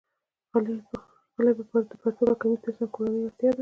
غلۍ د پرتوګ او کمیس تر څنګ کورنۍ اړتیا ده.